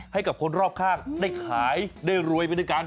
ให้กับคนรอบข้างได้ขายได้รวยไปด้วยกัน